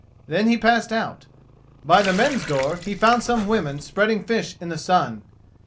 Then he passed out. By the men's door he found some women spreading fish in the sun.